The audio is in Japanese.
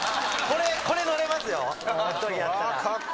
これ乗れますよ格闘技やったら。